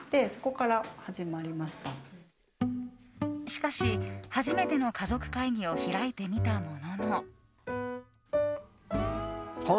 しかし初めてのかぞくかいぎを開いてみたものの。